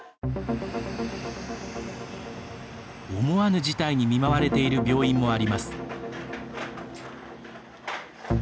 思わぬ事態に見舞われている病院もあります。